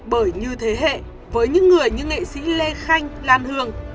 bởi như thế hệ với những người như nghệ sĩ lê khanh lan hương